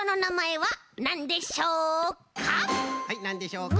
はいなんでしょうか？